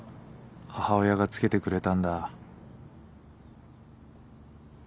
母親が付けてくれたんだ。